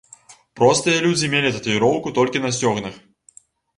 Простыя людзі мелі татуіроўку толькі на сцёгнах.